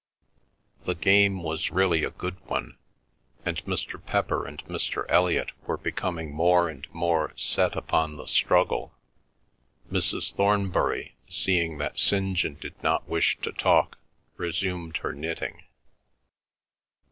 The game was really a good one, and Mr. Pepper and Mr. Elliot were becoming more and more set upon the struggle. Mrs. Thornbury, seeing that St. John did not wish to talk, resumed her knitting.